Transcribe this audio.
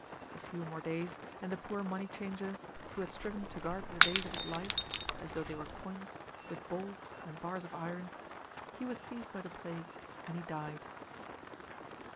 A few more days, and the poor money changer, who had striven to guard the days of his life (as though they were coins) with bolts and bars of iron—he was seized by the plague, and he died.